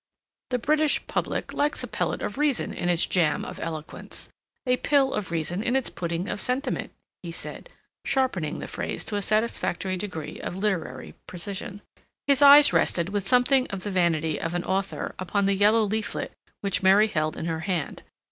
The British public likes a pellet of reason in its jam of eloquence—a pill of reason in its pudding of sentiment," he said, sharpening the phrase to a satisfactory degree of literary precision. His eyes rested, with something of the vanity of an author, upon the yellow leaflet which Mary held in her hand.